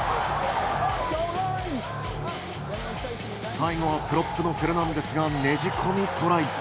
最後は、プロップのフェルナンデスがねじ込みトライ。